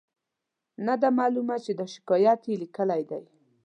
نه ده معلومه چې دا شکایت یې لیکلی دی.